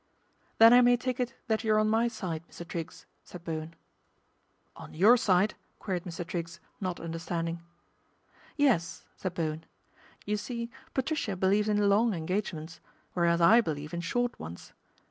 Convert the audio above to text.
' Then I may take it that you're on my side, Mr. Triggs," said Bowen. " On your side ?" queried Mr. Triggs, not understanding. ' Yes," said Bowen, " you see Patricia believes In long engagements, whereas I believe in short ones.